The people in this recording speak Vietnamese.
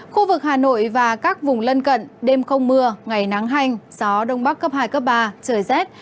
khu vực hà nội và các vùng lân cận đêm không mưa ngày nắng hanh gió đông bắc cấp hai cấp ba trời rét